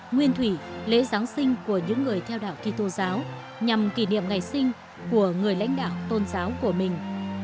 nguyên thủy lễ giáng sinh của những người theo đạo kỳ tô giáo nhằm kỷ niệm ngày sinh của người lãnh đạo tôn giáo của mình